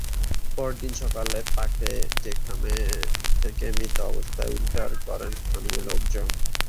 পরদিন সকালে তাঁকে সেখান থেকে মৃত অবস্থায় উদ্ধার করেন স্থানীয় লোকজন।